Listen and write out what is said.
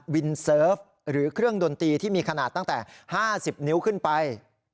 เซิร์ฟหรือเครื่องดนตรีที่มีขนาดตั้งแต่๕๐นิ้วขึ้นไป